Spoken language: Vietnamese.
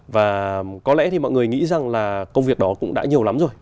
và có lẽ thì mọi người nghĩ rằng là công việc đó cũng đã nhiều lắm rồi